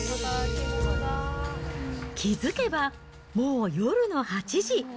気付けば、もう夜の８時。